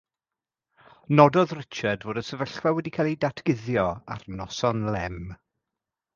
Nododd Richard fod y sefyllfa wedi cael ei datguddio ar noson lem.